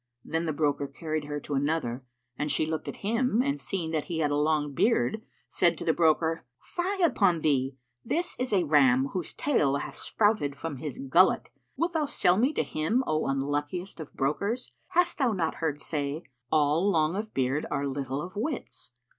'" Then the broker carried her to another and she looked at him and seeing that he had a long beard, said to the broker, "Fie upon thee! This is a ram, whose tail hath sprouted from his gullet. Wilt thou sell me to him, O unluckiest of brokers? Hast thou not heard say: 'All long of beard are little of wits?